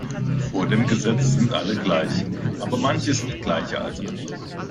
Vor dem Gesetz sind alle gleich, aber manche sind gleicher als andere.